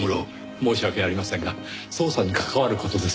申し訳ありませんが捜査に関わる事ですので。